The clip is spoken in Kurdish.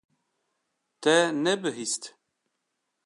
Te nebihîst?